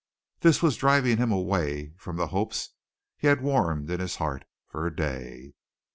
This was driving him away from the hopes he had warmed in his heart for a day.